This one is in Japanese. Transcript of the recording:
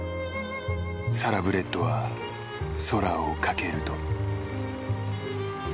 サラブレッドは空を翔ると。